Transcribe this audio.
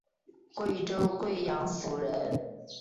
贵州贵阳府人。